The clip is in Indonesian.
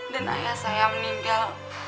dan ayah saya meninggal